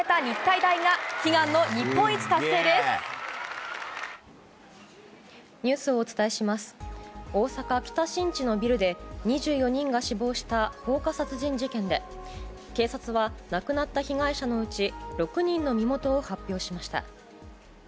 大阪・北新地のビルで２４人が死亡した放火殺人事件で警察は亡くなった被害者のうち６人の身元を発表しました。